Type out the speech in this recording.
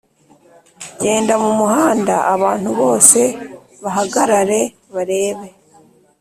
genda mumuhanda abantu bose bahagarare barebe